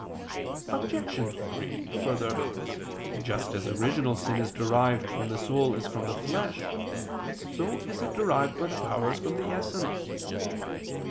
Obj. 3: Further, just as original sin is derived from the soul as from the flesh, so is it derived by the powers from the essence.